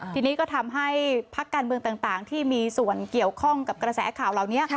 ทีนี้ก็ทำให้พักการเมืองต่างที่มีส่วนเกี่ยวข้องกับกระแสข่าวเหล่านี้